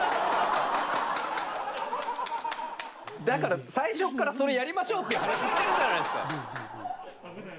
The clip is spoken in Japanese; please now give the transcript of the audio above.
だから最初からそれやりましょうっていう話してるじゃないですか。